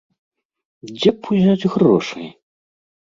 Дзе б узяць грошай?